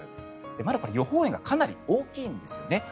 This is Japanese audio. まだ予報円がかなり大きいんですよね。